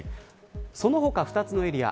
その他、２つのエリア